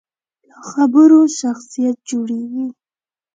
له خبرو شخصیت جوړېږي.